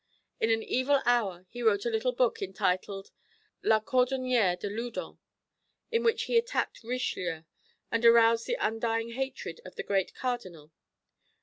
In an evil hour he wrote a little book entitled La cordonnière de Loudun, in which he attacked Richelieu, and aroused the undying hatred of the great Cardinal.